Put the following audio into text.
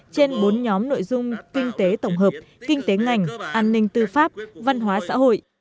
trên bốn nhóm nội dung kinh tế tổng hợp kinh tế ngành an ninh tư pháp văn hóa xã hội